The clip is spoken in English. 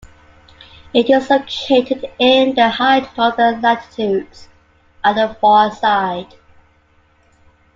It is located in the high northern latitudes, on the far side.